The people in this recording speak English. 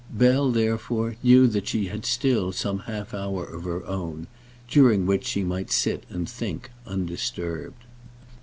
Bell, therefore, knew that she had still some half hour of her own, during which she might sit and think undisturbed.